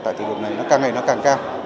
tại thị trường này nó càng ngày nó càng cao